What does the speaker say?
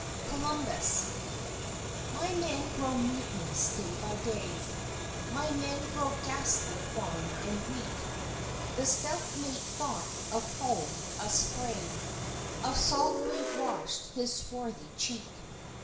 _ COLUMBUS _"My men grow mutinous day by day; My men grow ghastly wan and weak." The stout Mate thought of home; a spray Of salt wave washed his swarthy cheek.